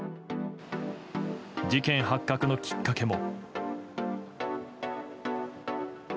事件発覚のきっかけも。